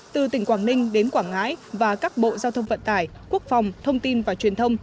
từ tỉnh quảng ninh đến quảng ngãi và các bộ giao thông vận tải quốc phòng thông tin và truyền thông